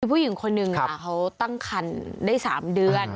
คือผู้หญิงคนหนึ่งเขาตั้งคันได้๓เดือน